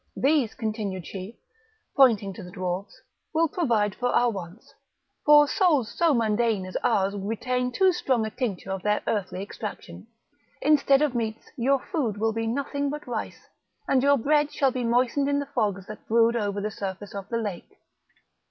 These," continued she, pointing to the dwarfs, "will provide for our wants, for souls so mundane as ours retain too strong a tincture of their earthly extraction; instead of meats your food will be nothing but rice, and your bread shall be moistened in the fogs that brood over the surface of the lake."